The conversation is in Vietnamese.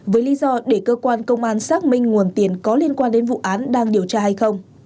với lý do để cơ quan công an xác minh nguồn tiền có liên quan đến vụ án đang điều tra hay không